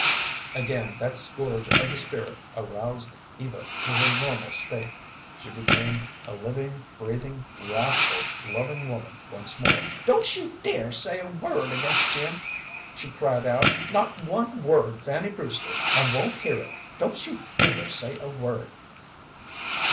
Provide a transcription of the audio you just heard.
Again that scourge of the spirit aroused Eva to her normal state. She became a living, breathing, wrathful, loving woman once more. "Don't you dare say a word against Jim!" she cried out; "not one word, Fanny Brewster; I won't hear it. Don't you dare say a word!"